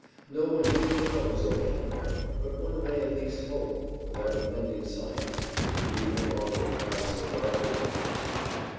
No one really knows, or can know, but one may at least hope, without offending science, which indeed no longer frowns so darkly upon faith.